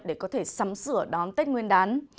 để có thể sắm sửa đón tết nguyên đán